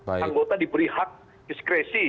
anggota diberi hak diskresi